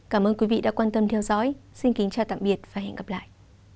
cảm ơn quý vị đã quan tâm theo dõi xin kính chào tạm biệt và hẹn gặp lại